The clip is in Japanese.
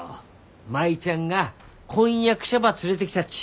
舞ちゃんが婚約者ば連れてきたっち。